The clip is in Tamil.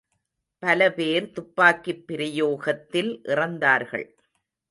பல பேர் துப்பாக்கிப் பிரயோகத்தில் இறந்தார்கள்.